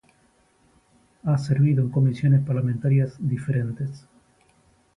Ha servido en comisiones parlamentarias diferentes.